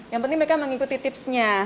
yang penting mereka mengikuti tipsnya